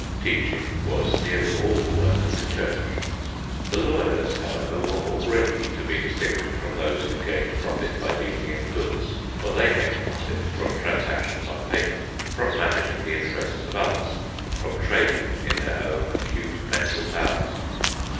Teaching was nearly all the work of the Church. The lawyers, however, were already to be distinguished from those who gained profit by dealing in goods, for they made profit from transactions on paper, from managing the interests of others, from trading in their own acute mental powers.